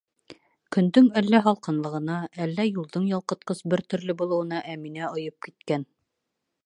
Көндөң әллә һалҡынлығына, әллә юлдың ялҡытҡыс бер төрлө булыуына Әминә ойоп киткән.